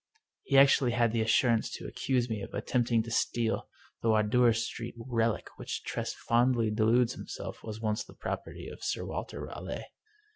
He actually had the assurance to accuse me of attempting to steal the Wardour Street relic which Tress fondly deludes himself was once the property of Sir Walter Raleigh.